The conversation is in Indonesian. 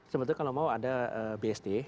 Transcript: sebetulnya kalau mau ada bst